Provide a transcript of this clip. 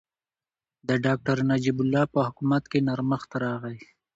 د ډاکټر نجیب الله په حکومت کې نرمښت راغی.